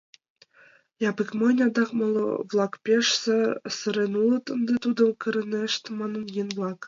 Япык монь, адак моло-влак пеш сырен улыт; ынде тудым кырынешт, — маныт еҥ-влак.